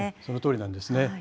そのとおりなんですね。